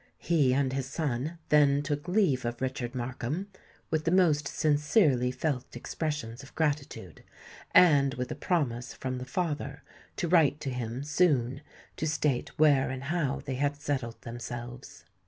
He and his son then took leave of Richard Markham, with the most sincerely felt expressions of gratitude, and with a promise from the father to write to him soon to state where and how they had settled themselves.